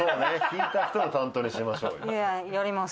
引いた人の担当にしましょうよ」